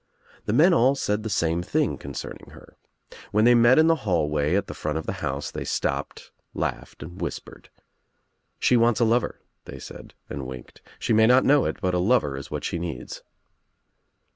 The men all said the same thing concerning her. When they met in the hallway at the front of the house they stopped, laughed and whispered. "She wants a lover," they said and winked, "She may not know it but a lover is what she needs."